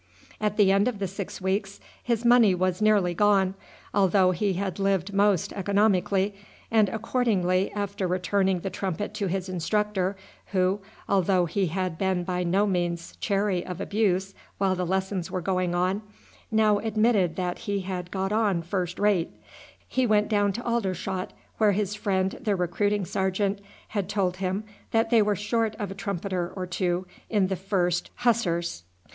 At the end of the six weeks his money was nearly gone, although he had lived most economically, and accordingly, after returning the trumpet to his instructor, who, although he had been by no means chary of abuse while the lessons were going on, now admitted that he had got on first rate, he went down to Aldershot, where his friend the recruiting sergeant had told him that they were short of a trumpeter or two in the 1st Hussars.